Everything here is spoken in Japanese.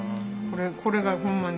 これがほんまに。